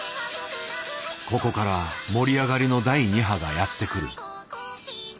ここから盛り上がりの第２波がやってくる。